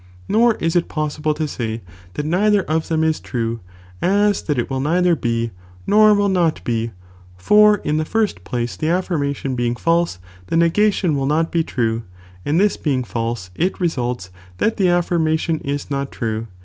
Nor is it possible to say, that neither of them is true, as that it will neither be, nor will not be, for in tho first place the affirmation being false, the nega 3 Result oi ''"'*"'"""''^ true, and this being false, it re denying tiie suits that the affirmation is not true.